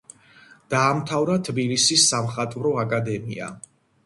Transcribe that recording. დაამთავრა თბილისის სამხატვრო აკადემია.